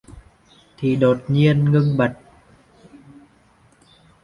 Thì đột nghiên ngưng bặt